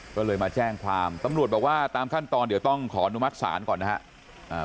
ก็เลยมาแจ้งความตำรวจบอกว่าตามขั้นตอนเดี๋ยวต้องขออนุมัติศาลก่อนนะครับ